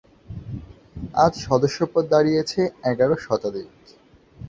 আজ সদস্য পদ দাঁড়িয়েছে এগারো শতাধিক।